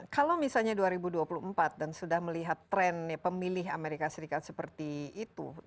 kalau misalnya dua ribu dua puluh empat dan sudah melihat tren pemilih amerika serikat seperti itu